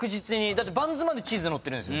だってバンズまでチーズ載ってるんすよ